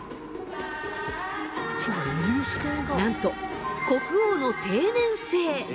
なんと国王の定年制。